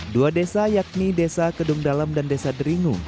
dua desa yakni desa kedung dalam dan desa deringu